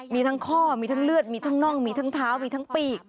มีทั้งข้อมีทั้งเลือดมีทั้งน่องมีทั้งเท้ามีทั้งปีก